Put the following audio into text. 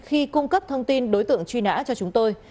khi cung cấp thông tin đối tượng truy nã cho chúng tôi